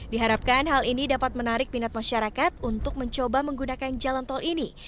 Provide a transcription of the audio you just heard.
diharapkan hal ini dapat menarik minat masyarakat untuk mencoba menggunakan jalan tol ini